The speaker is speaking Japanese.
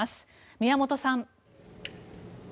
宮本さん。